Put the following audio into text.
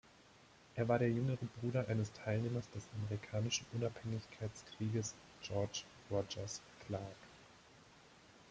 Er war der jüngere Bruder eines Teilnehmers des Amerikanischen Unabhängigkeitskrieges, George Rogers Clark.